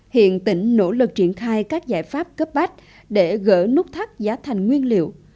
hiện tỉnh nỗ lực triển khai các giải pháp cấp bách để gỡ nút thắt giá thành nguyên liệu